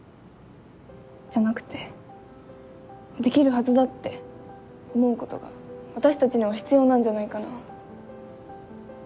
じゃなくて「できるはずだ」って思うことが私たちには必要なんじゃないかな。